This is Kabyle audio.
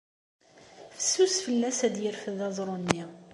Fessus fell-as ad yerfed aẓru-nni.